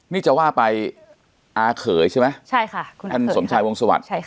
นี่จะว่าไปอาเขยใช่ไหมท่านสมชายวงศวรรษ